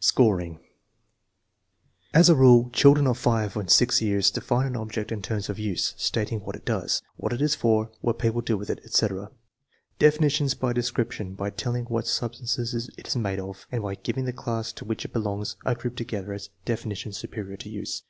Scoring. As a rule, children of 5 and 6 years define an object in terms of use, stating what it does, what it is for, what people do with it, etc. Definitions by description, by telling what substance it is made of, and by giving the class to which it belongs are grouped together as " definitions superior to use."